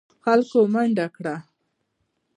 خلکو منډه کړه.